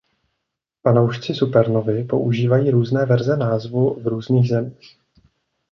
Fanoušci Supernovy používají různé verze názvu v různých zemích.